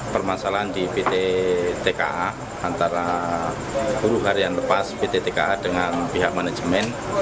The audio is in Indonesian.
permasalahan di pt tka antara buruh harian lepas pt tka dengan pihak manajemen